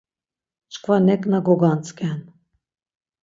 Çkva neǩna gogantzǩen.